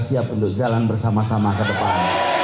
siap untuk jalan bersama sama ke depan